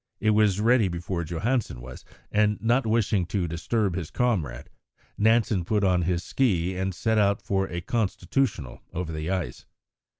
It was ready before Johansen was, and not wishing to disturb his comrade, Nansen put on his ski and set out for a "constitutional" over the ice.